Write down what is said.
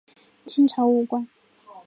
清朝武官。